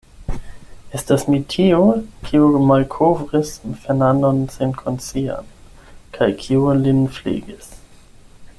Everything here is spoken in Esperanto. Estas mi tiu, kiu malkovris Fernandon senkonscian, kaj kiu lin flegis.